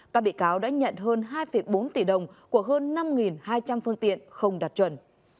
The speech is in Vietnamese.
các bị cáo đã nhận hơn hai bốn tỷ đồng của hơn năm hai trăm linh phương tiện không đạt chuẩn